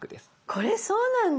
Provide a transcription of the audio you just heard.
これそうなんだ！